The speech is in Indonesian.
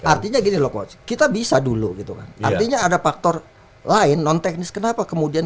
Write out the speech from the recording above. artinya gini loh coach kita bisa dulu gitu kan artinya ada faktor lain non teknis kenapa kemudian